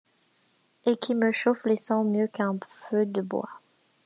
Et qui me chauffe les sangs mieux qu'un feu de bois.